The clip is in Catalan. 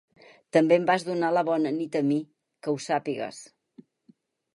També em vas donar la bona nit a mi, que ho sàpigues!